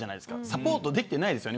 サポートできてないですよね。